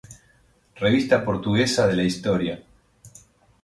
Revista Portuguesa de la Historia.